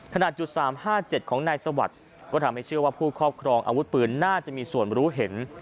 ขนาดจุด๓๕๗ของนายสวัสดิ์ก็ทำให้เชื่อว่าผู้ครอบครองอาวุธปืนน่าจะมีส่วนรู้เห็น